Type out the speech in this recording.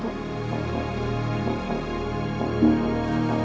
ibu mau pulang